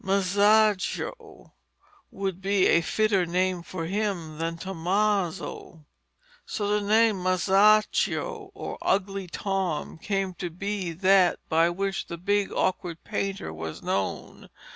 "Masaccio" would be a fitter name for him than Tommaso.' So the name Masaccio, or Ugly Tom, came to be that by which the big awkward painter was known.